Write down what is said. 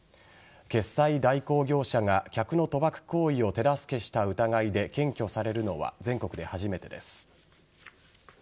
決済代行業者が客の賭博行為を手助けした疑いで検挙されるのは全国で初めてです。